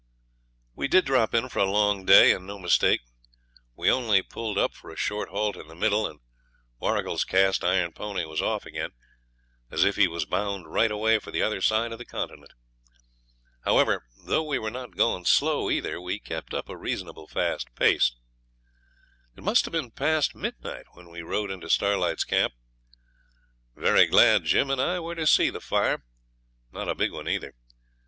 We did drop in for a long day, and no mistake. We only pulled up for a short halt in the middle, and Warrigal's cast iron pony was off again, as if he was bound right away for the other side of the continent. However, though we were not going slow either, but kept up a reasonable fast pace, it must have been past midnight when we rode into Starlight's camp; very glad Jim and I were to see the fire not a big one either.